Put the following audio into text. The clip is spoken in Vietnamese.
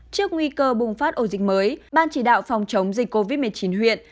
trước nguy cơ bùng phát ổ dịch mới ban chỉ đạo phòng chống dịch covid một mươi chín huyện